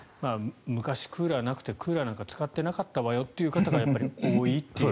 昔、クーラーなくてクーラーなんて使ってなかったわよという方がやっぱり多いという。